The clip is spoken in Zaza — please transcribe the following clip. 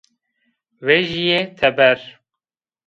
Vejîye teber!